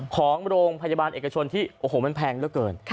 ของโรงพยาบาลเอกชนที่โอ้โหมันแพงเหลือเกิน